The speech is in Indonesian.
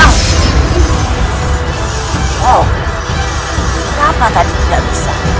kenapa tadi tidak bisa